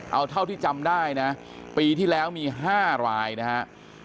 เอาเท่าที่จำได้นะปีที่แล้วมี๕รายนะฮะ